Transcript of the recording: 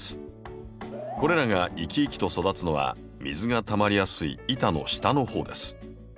これらが生き生きと育つのは水がたまりやすい板の下のほうです。